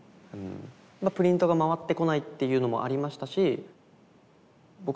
まあプリントが回ってこないっていうのもありましたし。